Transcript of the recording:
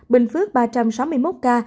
bình phước ba trăm sáu mươi một ca